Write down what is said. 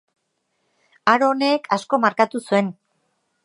Aro honek asko markatu zuen.